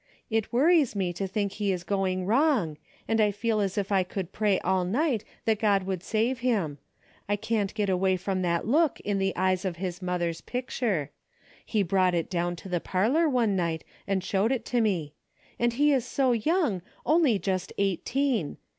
It worries me to think he is going wrong, and I feel as if I could pray all night that God would save him. I can't get away from that look in the eyes of his mother's picture. He brought it down to the parlor one night and showed it to me. And he is so young, only just eighteen.